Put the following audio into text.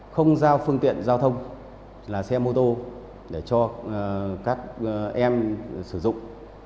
không giao phương tiện giao thông là xe mô tô để cho các em sử dụng